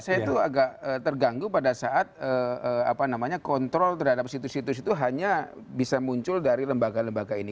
saya itu agak terganggu pada saat kontrol terhadap situs situs itu hanya bisa muncul dari lembaga lembaga ini